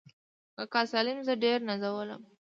کاکا سالم زه ډېر نازولم.